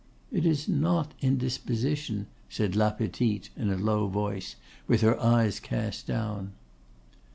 'It is not indisposition,' said La Petite, in a low tone, with her eyes cast down.